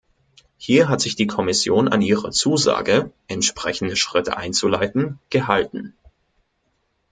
Hier hat sich die Kommission an ihre Zusage, entsprechende Schritte einzuleiten, gehalten.